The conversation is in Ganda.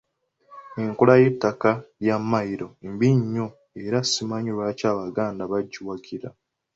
Enkola y’ettaka lya mayiro mbi nnyo era simanyi lwaki Abaganda bagiwagira.